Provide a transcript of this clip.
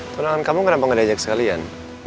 tunangan kamu kenapa gak di ajak sekalian